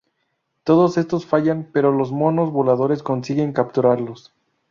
Todos estos fallan, pero los monos voladores consiguen capturarlos.